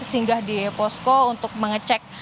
singgah di posko untuk mengecek